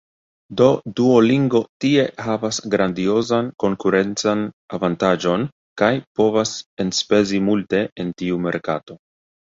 Do Duolingo tie havas grandiozan konkurencan avantaĝon kaj povas enspezi multe en tiu merkato.